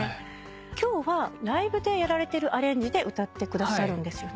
今日はライブでやられてるアレンジで歌ってくださるんですよね。